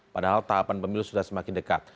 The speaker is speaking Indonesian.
padahal tahapan pemilu sudah semakin dekat